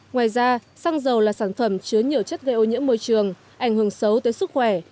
ngoài ra xăng dầu là sản phẩm chứa nhiều chất gây ô nhiễm môi trường ảnh hưởng xấu tới sức khỏe